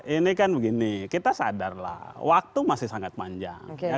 ini kan begini kita sadarlah waktu masih sangat panjang